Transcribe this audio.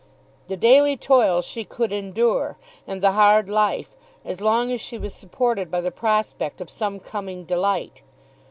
The daily toil she could endure, and the hard life, as long as she was supported by the prospect of some coming delight.